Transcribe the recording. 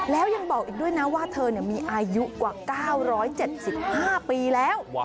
แล้วยังบอกอีกด้วยนะว่าเธอมีอายุกว่า๙๗๕ปีแล้ว